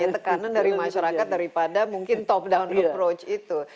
tekanan dari masyarakat daripada mungkin top down approach itu